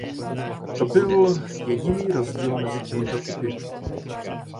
To byl jediný rozdíl mezi těmito typy.